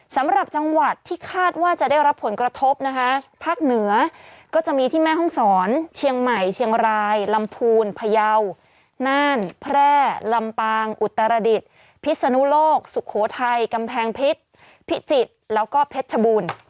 สำหรับจังหวัดที่คาดว่าจะได้รับผลกระทบนะคะภาคเหนือก็จะมีที่แม่ห้องศรเชียงใหม่เชียงรายลำพูนพยาวน่านแพร่ลำปางอุตรดิษฐ์พิศนุโลกสุโขทัยกำแพงเพชรพิจิตรแล้วก็เพชรชบูรณ์